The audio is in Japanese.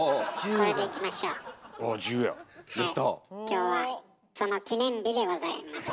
今日はその記念日でございます。